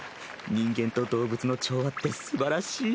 人間と動物の調和ってすばらしい。